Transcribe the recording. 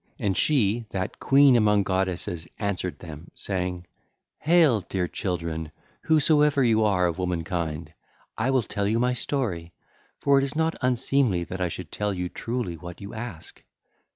And she, that queen among goddesses answered them saying: 'Hail, dear children, whosoever you are of woman kind. I will tell you my story; for it is not unseemly that I should tell you truly what you ask.